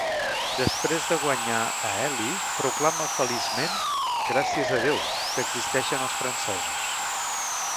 Després de guanyar a Ellie, proclama feliçment, Gràcies a Déu, que existeixen els francesos.